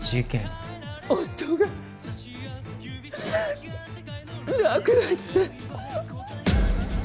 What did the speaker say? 夫が亡くなって。